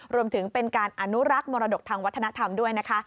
รวมถึงเป็นการอนุรักษ์มรดกทางวัฒนธรรมด้วยนะคะ